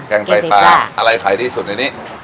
แกงไตปลาอะไรขายดีสุดในนี้